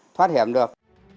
thoát hiểm được